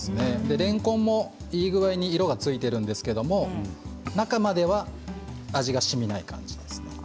れんこんもいい色がついていますが中までは味がしみない感じですね。